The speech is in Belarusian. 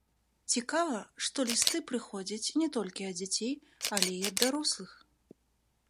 Цікава, што лісты прыходзяць не толькі ад дзяцей, але і ад дарослых!